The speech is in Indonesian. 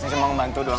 saya mau ngebantu doang